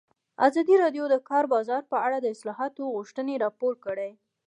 ازادي راډیو د د کار بازار په اړه د اصلاحاتو غوښتنې راپور کړې.